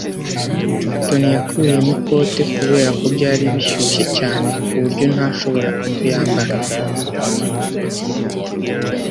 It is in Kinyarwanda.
Toni yakuyemo ikote kubera ko byari bishyushye cyane ku buryo ntashobora kuyambara.